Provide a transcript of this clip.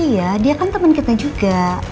iya dia kan teman kita juga